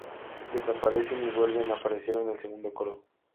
Desaparecen y vuelven a aparecer en el segundo coro.